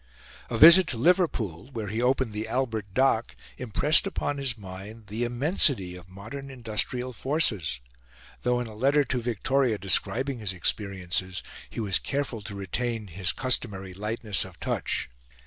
A visit to Liverpool, where he opened the Albert Dock, impressed upon his mind the immensity of modern industrial forces, though in a letter to Victoria describing his experiences, he was careful to retain his customary lightness of touch.